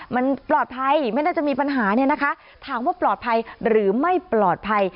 มันปลอดภัยไม่น่าจะมีปัญหาเนี่ยนะคะถามว่าปลอดภัยหรือไม่ปลอดภัย